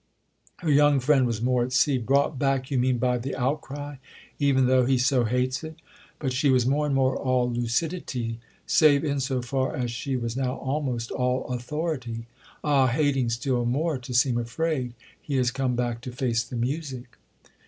Her young friend was more at sea. "Brought back, you mean, by the outcry—even though he so hates it?" But she was more and more all lucidity—save in so far as she was now almost all authority. "Ah, hating still more to seem afraid, he has come back to face the music!"